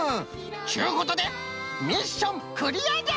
っちゅうことでミッションクリアじゃ！